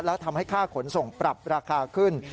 และทำให้ค่าขนส่งปรับราคาขึ้น